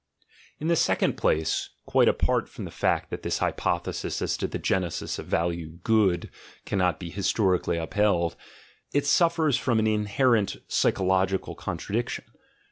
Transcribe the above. In the second place, quite apart from the fact that this hypothesis as to the genesis of the value "good" cannot be historically upheld, it suffers from an inherent psycho logical contradiction.